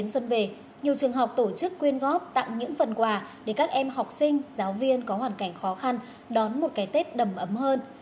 xuân về nhiều trường học tổ chức quyên góp tặng những phần quà để các em học sinh giáo viên có hoàn cảnh khó khăn đón một cái tết đầm ấm hơn